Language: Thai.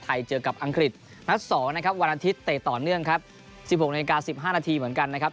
เจอกับอังกฤษนัด๒นะครับวันอาทิตย์เตะต่อเนื่องครับ๑๖นาที๑๕นาทีเหมือนกันนะครับ